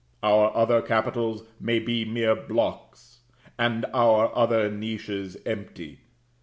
Our other capitals may be mere blocks, and our other niches empty.